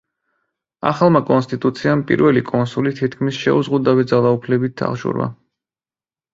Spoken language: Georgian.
ახალმა კონსტიტუციამ პირველი კონსული თითქმის შეუზღუდავი ძალაუფლებით აღჭურვა.